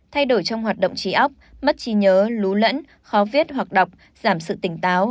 thay đổi trong hoạt động trí ốc mất trí nhớ lún lẫn khó viết hoặc đọc giảm sự tỉnh táo